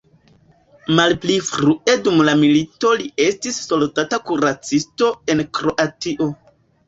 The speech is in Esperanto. Malpli frue dum la milito li estis soldata kuracisto en Kroatio.